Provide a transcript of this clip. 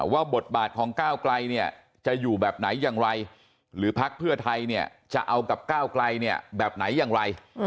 บทบาทของก้าวไกลเนี่ยจะอยู่แบบไหนอย่างไรหรือพักเพื่อไทยเนี่ยจะเอากับก้าวไกลเนี่ยแบบไหนอย่างไร